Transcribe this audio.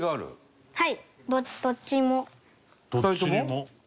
はい！